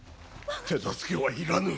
手助けはいらぬ